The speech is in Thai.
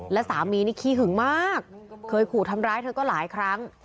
และสามีนี่ขี้หึงมากเคยขู่ทำร้ายเธอก็หลายครั้ง